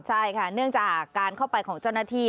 ใช่ค่ะเนื่องจากการเข้าไปของเจ้าหน้าที่